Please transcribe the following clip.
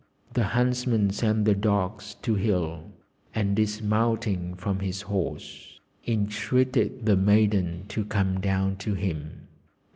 The huntsman sent the dogs to heel, and dismounting from his horse, entreated the maiden to come down to him.